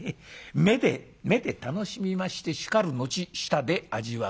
目で目で楽しみましてしかる後舌で味わう。